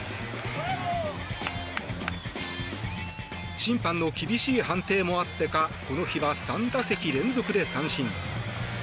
審判の厳しい判定もあってかこの日は３打席連続で三振。